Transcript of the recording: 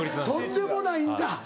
とんでもないんだ。